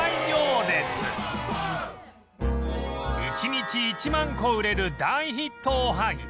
１日１万個売れる大ヒットおはぎ